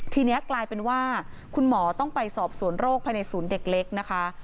ทีนี้กลายเป็นว่าคุณหมอต้องไปสอบสวนโรคภายในศูนย์เด็กเล็กนะคะ